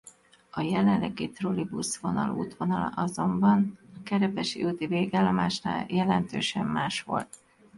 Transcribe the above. A jelenlegi trolibuszvonal útvonala azonban a Kerepesi úti végállomásnál jelentősen más volt.